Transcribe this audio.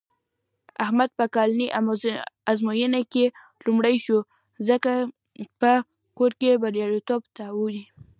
احمد په کلنۍ ازموینه کې لومړی شو. ځکه په کور کې برېتونه تاووي.